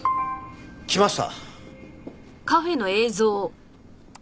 来ました。